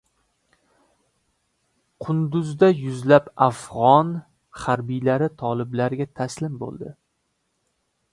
Qunduzda yuzlab afg‘on harbiylari toliblarga taslim bo‘ldi